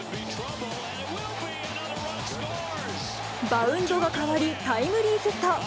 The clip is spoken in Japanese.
バウンドが変わり、タイムリーヒット。